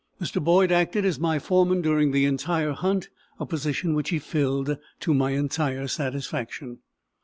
Mr. Boyd acted as my foreman during the entire hunt, a position which he filled to my entire satisfaction.